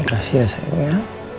makasih ya sayangnya